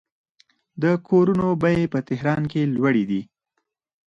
د کورونو بیې په تهران کې لوړې دي.